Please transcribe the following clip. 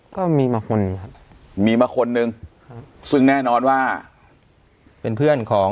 ก็มีมาคนหนึ่งครับมีมาคนนึงครับซึ่งแน่นอนว่าเป็นเพื่อนของ